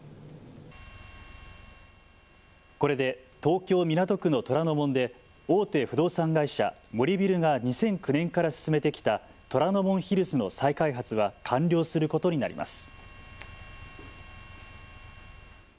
これで東京港区の虎ノ門で大手不動産会社、森ビルが２００９年から進めてきた虎ノ門ヒルズの再開発は完了することになります。